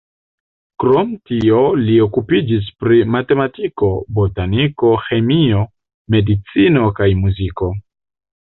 Krom tio li okupiĝis pri matematiko, botaniko, ĥemio, medicino kaj muziko.